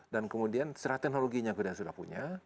dan kemudian setelah teknologinya kita sudah punya